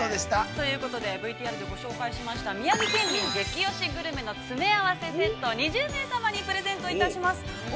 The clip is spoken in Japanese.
◆ということでＶＴＲでご紹介しました宮城県民激推しグルメの詰め合わせを２０名様に視聴者プレゼントします。